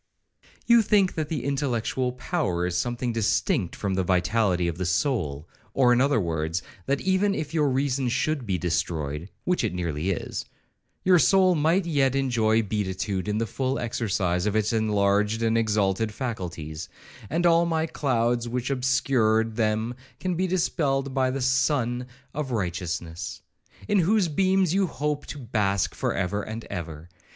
'You think that the intellectual power is something distinct from the vitality of the soul, or, in other words, that if even your reason should be destroyed, (which it nearly is), your soul might yet enjoy beatitude in the full exercise of its enlarged and exalted faculties, and all the clouds which obscured them be dispelled by the Sun of Righteousness, in whose beams you hope to bask for ever and ever.